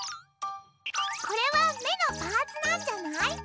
これはめのパーツなんじゃない？